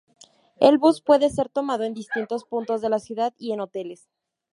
El bus puede ser tomado en distintos puntos de la ciudad y en hoteles.